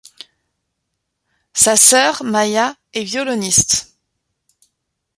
Sa sœur, Maja, est violoniste.